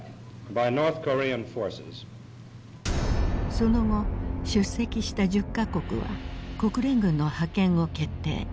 その後出席した１０か国は国連軍の派遣を決定。